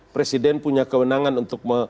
presiden punya kewenangan untuk